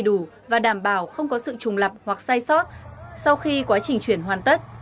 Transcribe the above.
cơ quan y tế gaza đã đảm bảo không có sự trùng lập hoặc sai sót sau khi quá trình chuyển hoàn tất